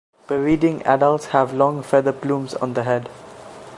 Breeding adults have long feather plumes on the head.